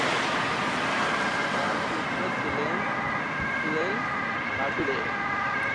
তাঁর পুত্র ছিলেন ছিলেন বাসুদেব।